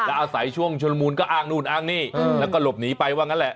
แล้วอาศัยช่วงชุลมูลก็อ้างนู่นอ้างนี่แล้วก็หลบหนีไปว่างั้นแหละ